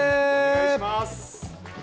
お願いします。